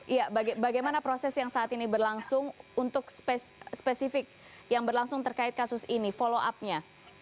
iya bagaimana proses yang saat ini berlangsung untuk spesifik yang berlangsung terkait kasus ini follow up nya